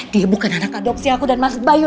dia bukan anak adopsi aku dan mas bayu